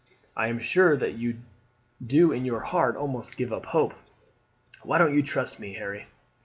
I am sure that you do in your heart almost give up hope. Why don't you trust me, Harry?